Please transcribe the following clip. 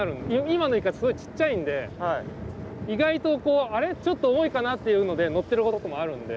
今のイカすごいちっちゃいんで意外とあれちょっと重いかなっていうのでのってることもあるんで。